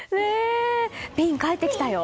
ピン帰ってきたよ！